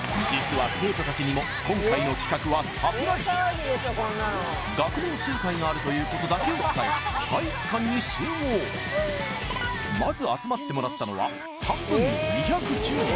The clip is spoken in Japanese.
実は生徒たちにも今回の企画はサプライズ学年集会があるということだけを伝え体育館に集合まず集まってもらったのは半分の２１０人